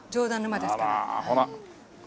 あらほら。